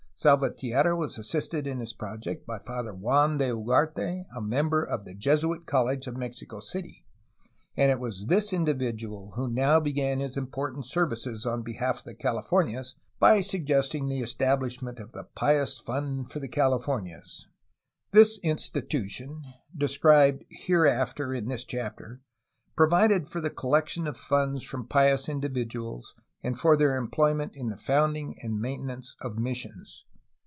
Salvatierra was assisted in his project by Father Juan de Ugarte, a member of the Jesuit college of Mexico City, and it was this individual who now began his important services on behalf of the Californias by suggesting the establishment of the Pious Fund of the Californias. This institution (described hereafter in this chapter) provided for the collection of funds from pious individuals and for their employment in the founding and maintenance of missions.